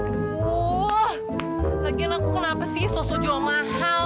aduh lagian aku kenapa sih sosok jual mahal